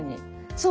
そう。